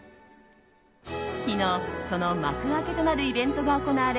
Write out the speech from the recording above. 昨日、その幕開けとなるイベントが行われ